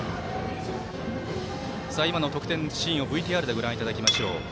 今の得点シーンをＶＴＲでご覧いただきましょう。